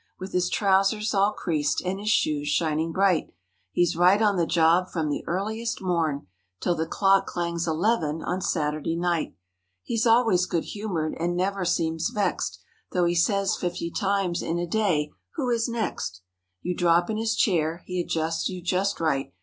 With his trousers all creased and his shoes shin¬ ing bright, He's right on the job from the earliest morn 'Till the clock clangs "eleven" on Saturday night. He's always good humored and never seems vexed— Though he says fifty times in a day—"Who is next?" You drop in his chair—he adjusts you just right.